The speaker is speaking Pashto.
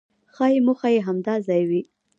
ښایي موخه یې همدا ځای وي.